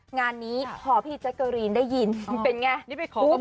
งานนี้พอพี่แจ๊กเกอรีนได้ยินเป็นไง